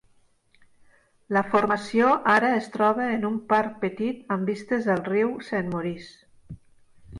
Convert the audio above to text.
La formació ara es troba en un parc petit amb vistes al riu St-Maurice.